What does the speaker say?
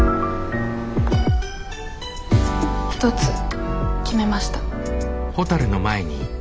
一つ決めました。